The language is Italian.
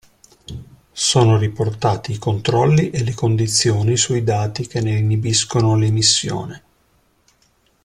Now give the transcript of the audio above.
Sono riportati i controlli e le condizioni sui dati che ne inibiscono l'emissione.